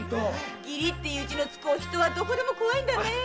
「義理」っていう字の付くお人はどこでも怖いんだねえ！